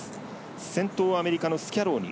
先頭、アメリカのスキャローニ。